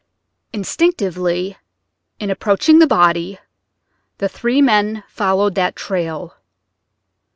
Instinctively in approaching the body the three men followed that trail.